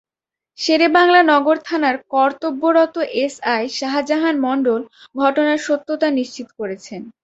শেরেবাংলা নগর থানার কর্তব্যরত এসআই শাহজাহান মণ্ডল ঘটনার সত্যতা নিশ্চিত করেছেন।